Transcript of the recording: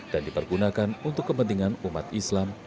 dipergunakan untuk kepentingan umat islam